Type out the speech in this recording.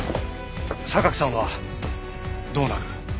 榊さんはどうなる？